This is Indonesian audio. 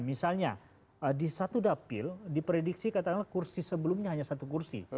misalnya di satu dapil diprediksi katakanlah kursi sebelumnya hanya satu kursi